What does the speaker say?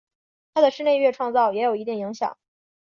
他的室内乐创作也有一定影响。